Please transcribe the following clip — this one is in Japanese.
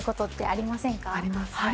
あります。